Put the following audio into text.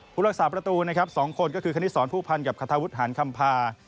ผู้รักษาประตูนะครับ๒คนก็คือคณิตสอนผู้พันธ์กับคาทาวุฒิหารคำพา